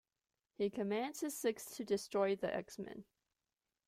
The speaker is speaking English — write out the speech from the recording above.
He commands his Six to destroy the X-Men.